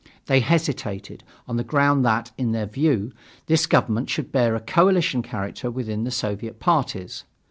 They hesitated, on the ground that, in their view, this government should bear a coalition character within the Soviet parties.